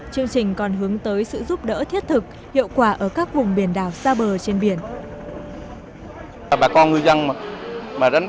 chương trình còn hướng tới sự giúp đỡ thiết thực hiệu quả ở các vùng biển đảo xa bờ trên biển